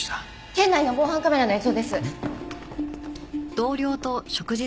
店内の防犯カメラの映像です。